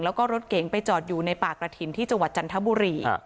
แล้วก็รถเก๋งไปจอดอยู่ในป่ากระถิ่นที่จังหวัดจันทบุรี